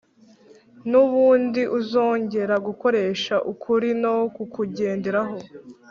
n’ubundi uzongera Gukoresha ukuri no kukugenderaho